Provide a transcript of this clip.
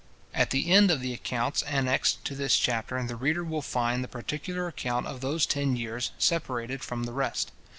At the end of the accounts annexed to this chapter the reader will find the particular account of those ten years separated from the rest.